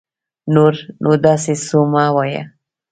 نور نو داسي خو مه وايه